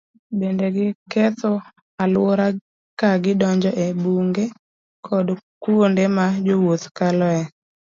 Bende, giketho alwora ka gidonjo e bunge koda kuonde ma jowuoth kaloe.